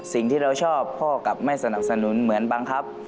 สิ่งที่เราชอบพ่อกับไม่สนับสนุนเหมือนบังคับ